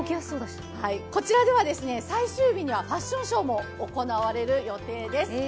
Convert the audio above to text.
こちらでは最終日にはファッションショーも行われる予定です。